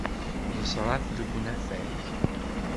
Yeẓra-t deg unafag.